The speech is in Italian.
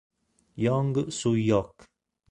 Jong Su-hyok